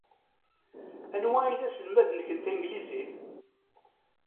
Anwa ay d aselmad-nnek n tanglizit?